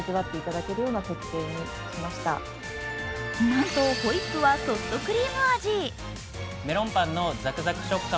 なんとホイップはソフトクリーム味。